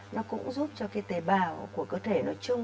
nó cũng giúp cho cái tế bào của cơ thể nói chung